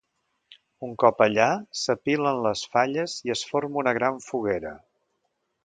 Un cop allà, s’apilen les falles i es forma una gran foguera.